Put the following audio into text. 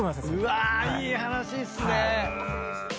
うわいい話っすね！